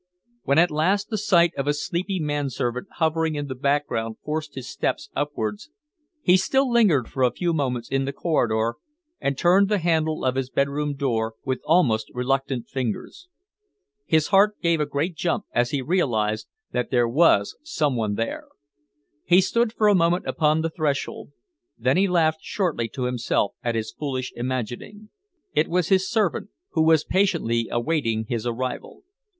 When at last the sight of a sleepy manservant hovering in the background forced his steps upstairs, he still lingered for a few moments in the corridor and turned the handle of his bedroom door with almost reluctant fingers. His heart gave a great jump as he realised that there was some one there. He stood for a moment upon the threshold, then laughed shortly to himself at his foolish imagining. It was his servant who was patiently awaiting his arrival.